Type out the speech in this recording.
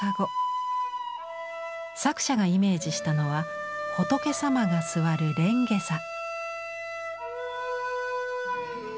作者がイメージしたのは仏様が座る蓮華座。